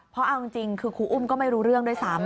เพราะเอาจริงคือครูอุ้มก็ไม่รู้เรื่องด้วยซ้ำ